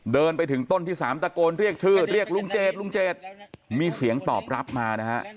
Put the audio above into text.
เดินไปถึงต้นที่๓ตะโกนเรียกชื่อเรียกลุงเจดลุงเจดมีเสียงตอบรับมานะฮะ